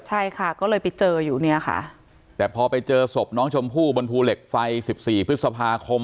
ใช่ค่ะก็เลยไปเจออยู่เนี่ยค่ะแต่พอไปเจอศพน้องชมพู่บนภูเหล็กไฟสิบสี่พฤษภาคม